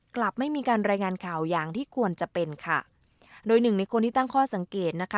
กลับไม่มีการรายงานข่าวอย่างที่ควรจะเป็นค่ะโดยหนึ่งในคนที่ตั้งข้อสังเกตนะคะ